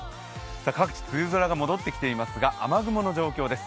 各地梅雨空が戻ってきていますが、雨雲の状況です。